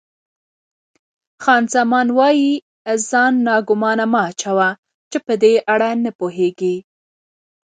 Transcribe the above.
خان زمان: ځان ناګومانه مه اچوه، چې په دې اړه نه پوهېږې.